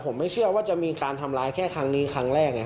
ผมไม่เชื่อว่าจะมีการทำร้ายแค่ครั้งนี้ครั้งแรกไง